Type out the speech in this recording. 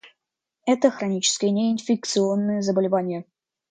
Это хронические неинфекционные заболевания.